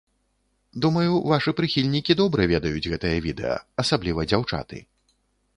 Думаю вашы прыхільнікі добра ведаюць гэтае відэа, асабліва дзяўчаты.